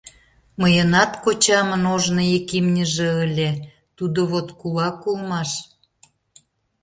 Мыйынат кочамын ожно ик имньыже ыле, тудо вот кулак улмаш...